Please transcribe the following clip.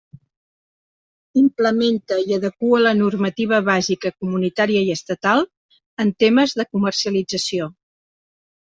Implementa i adequa la normativa bàsica comunitària i estatal en temes de comercialització.